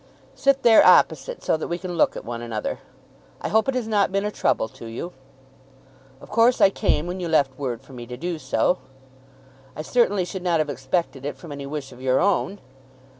"Sit there opposite, so that we can look at one another. I hope it has not been a trouble to you." "Of course I came when you left word for me to do so." "I certainly should not have expected it from any wish of your own."